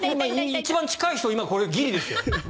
一番近い人これ、ギリですよ。